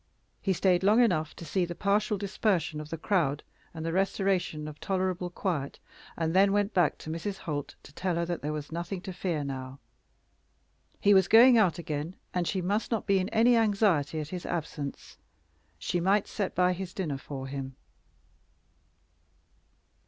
He stayed long enough to see the partial dispersion of the crowd and the restoration of tolerable quiet, and then went back to Mrs. Holt to tell her that there was nothing to fear now; he was going out again, and she must not be in any anxiety at his absence. She might set by his dinner for him.